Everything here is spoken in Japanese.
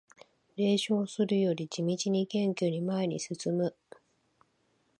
冷笑するより地道に謙虚に前に進む